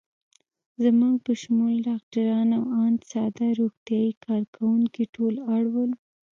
زموږ په شمول ډاکټران او آن ساده روغتیايي کارکوونکي ټول اړ ول.